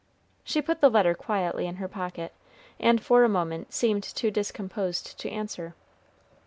She put the letter quietly in her pocket, and for a moment seemed too discomposed to answer.